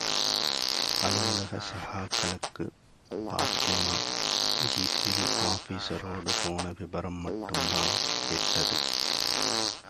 அலுவலக சகாக்களுக்கு பாத்திமா, ஜீப்பில் ஆபீஸ்ரோடு போன விபரம் மட்டும்தான் கேட்டது.